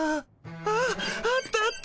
あっあったあった。